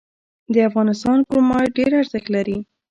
د افغانستان کرومایټ ډیر ارزښت لري